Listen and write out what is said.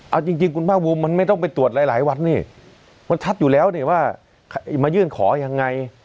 เอาจริงคุณภาคภูมิมันไม่ต้องไปตรวจหลายวันนี่มันชัดอยู่แล้วนี่ว่ามายื่นขอยังไง